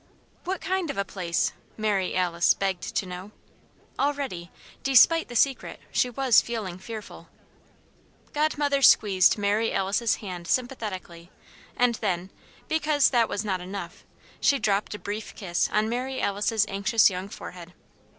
"What kind of a place?" Mary Alice begged to know. Already, despite the Secret, she was feeling fearful. Godmother squeezed Mary Alice's hand sympathetically; and then, because that was not enough, she dropped a brief kiss on Mary Alice's anxious young forehead.